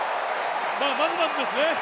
まずまずですね。